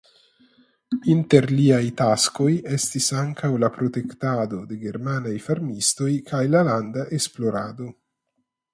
Inter liaj taskoj estis ankaŭ la protektado de germanaj farmistoj kaj la landa esplorado.